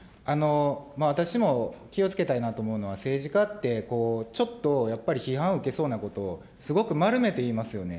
私も気をつけたいなと思うのは、政治家って、ちょっとやっぱり批判を受けそうなことをすごく丸めて言いますよね。